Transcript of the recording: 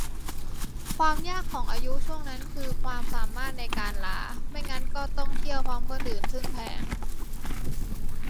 ความยากของอายุช่วงนั้นคือความสามารถในการลา ไม่งั้นก็ต้องเที่ยวพร้อมคนอื่น ซึ่งแพง